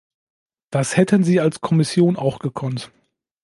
Das hätten Sie als Kommission auch gekonnt.